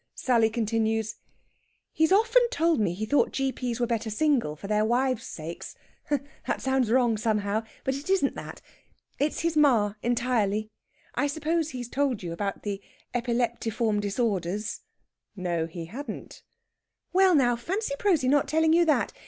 Sally continues: "He's often told me he thought G.P.'s were better single, for their wives' sakes that sounds wrong, somehow! but it isn't that. It's his ma entirely. I suppose he's told you about the epileptiform disorders?" No, he hadn't. "Well, now! Fancy Prosy not telling you that!